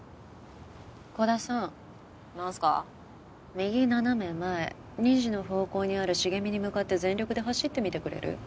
右斜め前２時の方向にある茂みに向かって全力で走ってみてくれる？はあ？